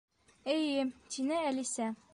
—Эйе, —тине Әлисә.